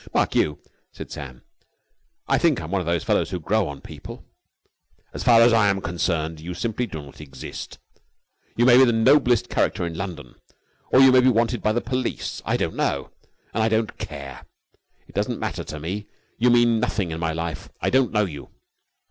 "Mark you," said Sam. "I think I am one of those fellows who grow on people...." "As far as I am concerned, you simply do not exist. You may be the noblest character in London or you may be wanted by the police. I don't know. And I don't care. It doesn't matter to me. You mean nothing in my life. I don't know you."